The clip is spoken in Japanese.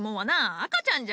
赤ちゃんじゃ。